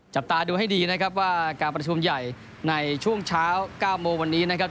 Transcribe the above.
จับตาดูให้ดีนะครับว่าการประชุมใหญ่ในช่วงเช้า๙โมงวันนี้นะครับ